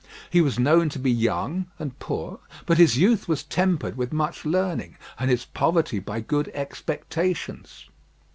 He was known to be young and poor, but his youth was tempered with much learning, and his poverty by good expectations.